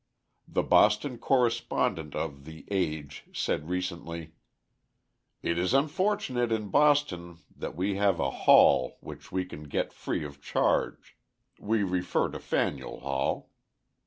The Boston correspondent of the Age said recently: It is unfortunate in Boston that we have a hall which we can get free of charge: we refer to Faneuil Hall.